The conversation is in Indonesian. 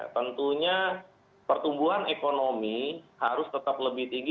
tentunya pertumbuhan ekonomi harus tetap lebih tinggi